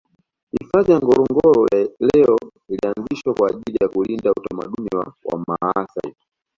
Hifadhi ya Ngorongoro ya leo ilianzishwa kwa ajili ya kulinda utamaduni wa wamaasai